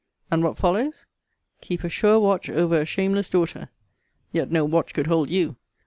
And what follows? 'Keep a sure watch over a shameless daughter [yet no watch could hold you!